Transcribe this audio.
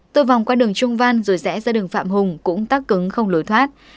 tôi vòng qua đường trung văn rồi rẽ ra đường phạm hùng cũng tắc cứng không lối thoát